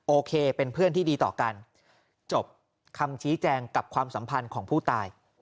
โอเคเป็นเพื่อนที่ดีต่อกันจบคำชี้แจงกับความสัมพันธ์ของผู้ตาย